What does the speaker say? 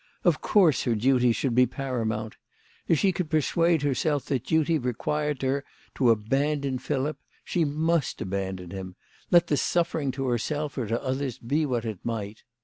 Of course her duty should be paramount. If she could persuade herself that duty required her to abandon Philip, she must abandon him, let the suffering to herself or to others be what it might.